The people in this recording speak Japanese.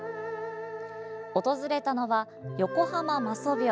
訪れたのは横濱媽祖廟。